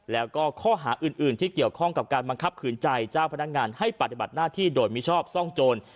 แล้วก็ข้อหาอื่นที่เกี่ยวข้องกับการบังคับขืนใจเจ้าพนักงานให้ปฏิบัติหน้าที่โดยมิชอบซ่องโจร